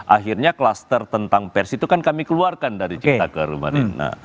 akhirnya klaster tentang pers itu kami keluarkan dari cipta kartu